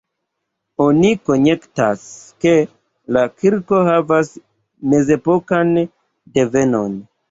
Oni konjektas, ke la kirko havas mezepokan devenon.